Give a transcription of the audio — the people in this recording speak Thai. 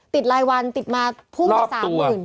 ติดรายวันติดมาพุ่งไป๓๐๐๐